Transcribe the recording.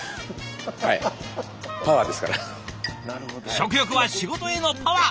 食欲は仕事へのパワー！